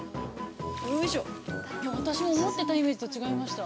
◆よいしょっ、いや、私も思ってたイメージと違いました。